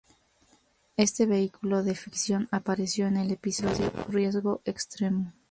Este vehículo de ficción apareció en el episodio "Riesgo extremo".